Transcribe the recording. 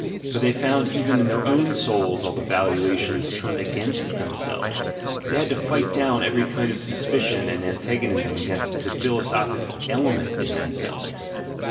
For they found even in their own souls all the valuations turned against them selves; they had to fight down every kind of suspicion and antagonism against "the philosophic element in them selves."